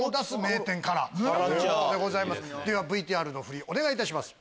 ではＶＴＲのフリお願いいたします。